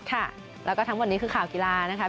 ค่ะแล้วก็ทั้งหมดนี้คือข่าวกีฬานะคะ